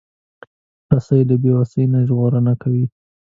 رسۍ له بیوسۍ نه ژغورنه کوي.